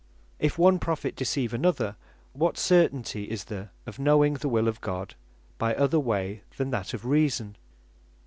If one Prophet deceive another, what certainty is there of knowing the will of God, by other way than that of Reason?